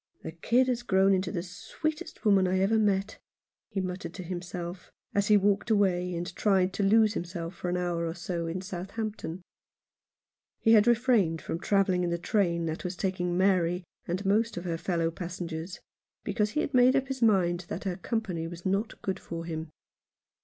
" The kid has grown into the sweetest woman I ever met," he muttered to himself, as he walked 58 Alone in London. away, and tried to lose himself for an hour or so in Southampton. He had refrained from travelling in the train that was taking Mary and most of her fellow passengers, because he had made up his mind that her company was not good for him.